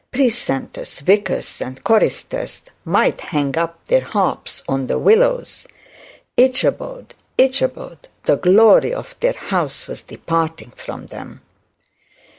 Precentors, vicars, and choristers might hang up their harps on the willows. Ichabod! Ichabod! The glory of their house was departing from them.